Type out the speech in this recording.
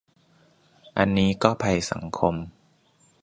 อันนี้ก็ภัยสังคม